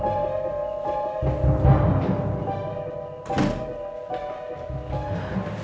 terima kasih tante